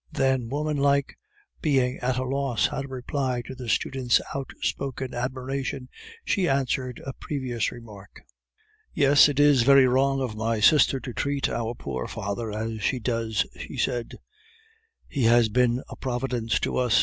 Then, woman like, being at a loss how to reply to the student's outspoken admiration, she answered a previous remark. "Yes, it is very wrong of my sister to treat our poor father as she does," she said; "he has been a Providence to us.